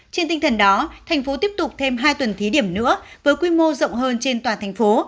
trên tinh thần đó thành phố tiếp tục thêm hai tuần thí điểm nữa với quy mô rộng hơn trên toàn thành phố